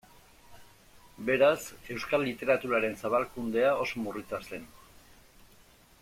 Beraz, euskal literaturaren zabalkundea oso murritza zen.